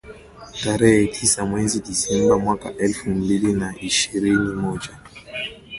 tarehe tisa mwezi Disemba mwaka elfu mbili na ishirini na moja